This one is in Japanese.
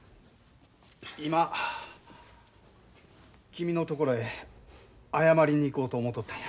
今君のところへ謝りに行こうと思うとったんや。